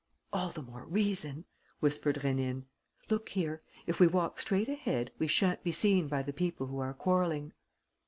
"All the more reason," whispered Rénine. "Look here: if we walk straight ahead, we shan't be seen by the people who are quarrelling."